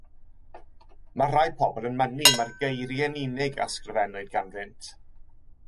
Mae rhai pobl yn mynnu mai'r geiriau'n unig a ysgrifennwyd ganddynt.